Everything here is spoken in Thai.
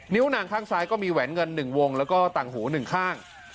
้วหนังข้างซ้ายก็มีแหวนเงิน๑วงแล้วก็ต่างหู๑ข้าง